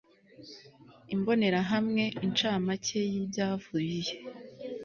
Imbonerahamwe Incamake y ibyavuye